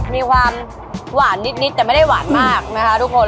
มีความหวานนิดแต่ไม่ได้หวานมากนะคะทุกคน